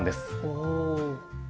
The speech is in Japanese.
おお。